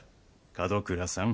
門倉さん。